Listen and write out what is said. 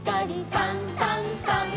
「さんさんさん」